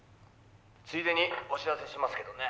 「ついでにお知らせしますけどね」